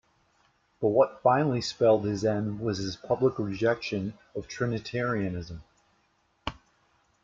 But what finally spelled his end was his public rejection of Trinitarianism.